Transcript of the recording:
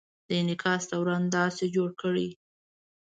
د انعکاس دوران داسې جوړ کړئ: